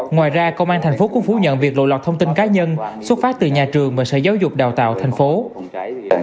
ngoài ra công an tp hcm cũng phủ nhận việc lộ lọt thông tin cá nhân xuất phát từ nhà trường và sở giáo dục đào tạo tp hcm